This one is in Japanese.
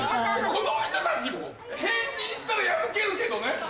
この人たちも変身したら破けるけどね。